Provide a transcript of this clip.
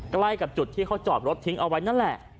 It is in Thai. ใกล้กับจุดที่เขาจอดรถทิ้งเอาไว้นั่นแหละ